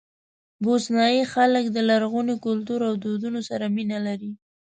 بوسنیایي خلک د لرغوني کلتور او دودونو سره مینه لري.